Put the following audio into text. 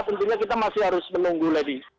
tentunya kita masih harus menunggu lady